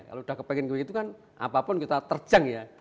kalau sudah kepengen kegitu kan apapun kita terjang ya